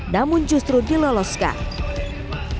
namun justru diloloskan